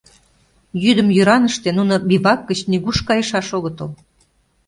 Йӱдым йӱраныште нуно бивак гыч нигуш кайышаш огытыл.